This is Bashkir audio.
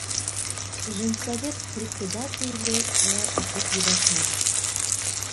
Женсовет председателе лә итеп ебәрһәң.